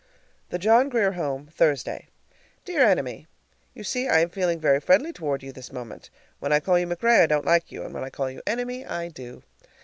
THE JOHN GRIER HOME, Thursday. Dear Enemy: You see, I'm feeling very friendly toward you this moment. When I call you "MacRae" I don't like you, and when I call you "Enemy" I do.